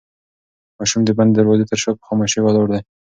ماشوم د بندې دروازې تر شا په خاموشۍ ولاړ دی.